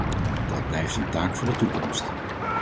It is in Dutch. Dat blijft een taak voor de toekomst.